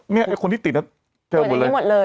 นี้คนที่ติดอ่ะเจอหมดเลย